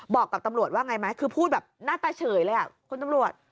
บอกกับตำรวจว่าไงไหมคือพูดแบบหน้าตาเฉยเลยอ่ะคุณตำรวจ